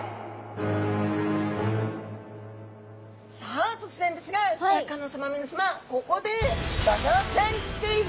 さあ突然ですがシャーク香音さま皆さまここでドジョウちゃんクイズ！